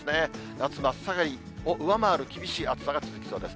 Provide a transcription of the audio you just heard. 夏真っ盛りを上回る厳しい暑さが続きそうです。